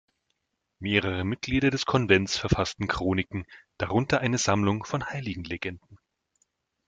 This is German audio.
Mehrere Mitglieder des Konvents verfassten Chroniken, darunter eine Sammlung von Heiligenlegenden.